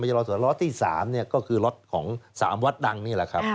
ไม่ใช่ล็อตสุดท้ายล็อตที่สามเนี่ยก็คือล็อตของสามวัดดังนี่แหละครับ